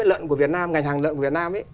lợn của việt nam ngành hàng lợn của việt nam